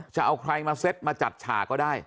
จะเอาใครมาเซ็ตมาจัดฉากก็ได้